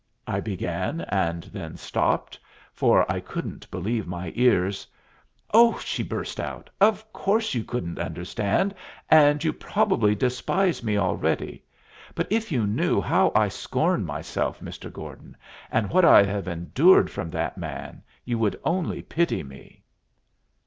I began, and then stopped, for I couldn't believe my ears. "Oh," she burst out, "of course you couldn't understand, and you probably despise me already, but if you knew how I scorn myself, Mr. Gordon, and what I have endured from that man, you would only pity me."